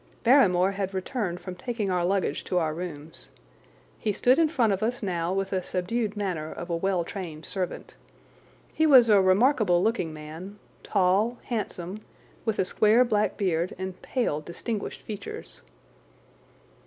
Barrymore had returned from taking our luggage to our rooms. He stood in front of us now with the subdued manner of a well trained servant. He was a remarkable looking man, tall, handsome, with a square black beard and pale, distinguished features.